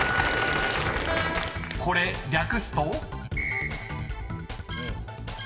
［これ略すと？］